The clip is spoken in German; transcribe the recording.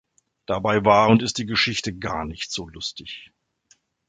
Dabei war und ist die Geschichte gar nicht so lustig.